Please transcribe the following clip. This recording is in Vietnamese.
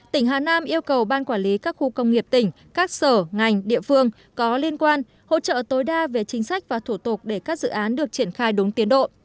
tỉnh hà nam yêu cầu ban quản lý các khu công nghiệp tỉnh các sở ngành địa phương có liên quan hỗ trợ tối đa về chính sách và thủ tục để các dự án được triển khai đúng tiến độ